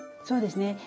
そうですね。